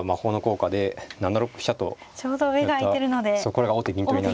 これが王手銀取りになる。